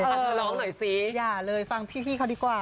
อ่ะฉันร้องหน่อยสิอย่าเลยฟังเพียงพี่พี่เค้าดีกว่า